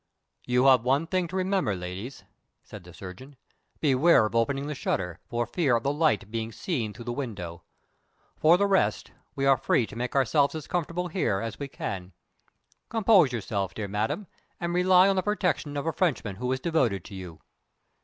"You have one thing to remember, ladies," said the surgeon. "Beware of opening the shutter, for fear of the light being seen through the window. For the rest, we are free to make ourselves as comfortable here as we can. Compose yourself, dear madam, and rely on the protection of a Frenchman who is devoted to you!"